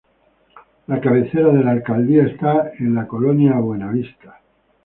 La cabecera de la alcaldía está en la colonia Buenavista.